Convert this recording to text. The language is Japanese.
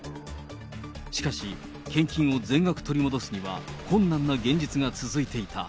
しかし、献金を全額取り戻すには困難な現実が続いていた。